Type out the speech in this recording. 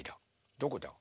どこだ？